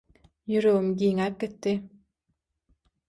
Ýüregim giňäp gitdi.